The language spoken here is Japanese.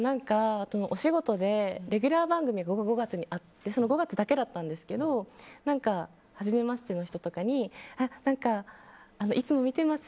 お仕事でレギュラー番組が５月にあって５月だけだったんですけどはじめましての人とかにいつも見ています